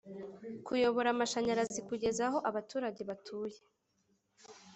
Kuyobora amashanyarazi kugeza aho abaturange batuye